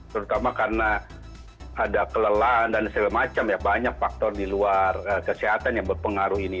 terutama karena ada kelelahan dan segala macam ya banyak faktor di luar kesehatan yang berpengaruh ini